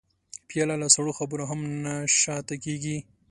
پیاله له سړو خبرو هم نه شا ته کېږي.